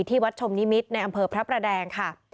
ที่วัดชมนิมิตรในอำเภอพระประแดงค่ะ